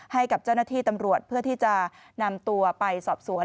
ให้กับเจ้าหน้าที่ตำรวจเพื่อที่จะนำตัวไปสอบสวน